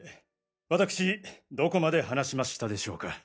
わたくしどこまで話しましたでしょうか？